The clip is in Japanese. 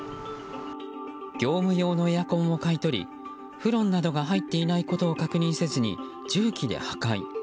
業務用のエアコンを買い取りフロンなどが入っていないことなどを確認せずに重機で破壊。